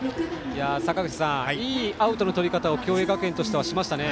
坂口さん、いいアウトのとり方を共栄学園としてはしましたね。